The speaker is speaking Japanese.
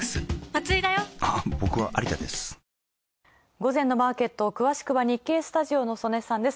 午前のマーケット、詳しくは日経スタジオの曽根さんです。